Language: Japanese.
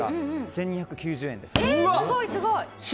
１２９０円です。